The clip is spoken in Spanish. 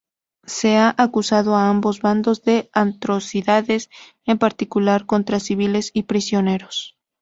Se ha acusado a ambos bandos de atrocidades, en particular, contra civiles y prisioneros.